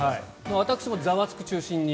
私も「ザワつく！」中心に。